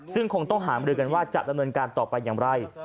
ซึ่งคงต้องหามรือกันว่าจะดำเนินการต่อไปอย่างไร